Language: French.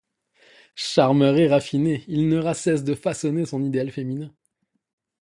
Charmeur et raffiné, il n’aura de cesse de façonner son idéal féminin.